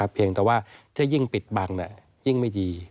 เพียงแต่ว่าถ้ายิ่งปิดบังยิ่งไม่ดี